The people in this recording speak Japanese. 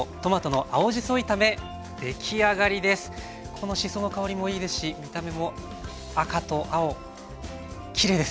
このしその香りもいいですし見た目も赤と青きれいです。